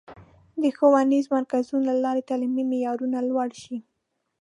د ښوونیزو مرکزونو له لارې تعلیمي معیارونه لوړ شي.